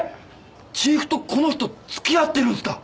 チーフとこの人つきあってるんすか？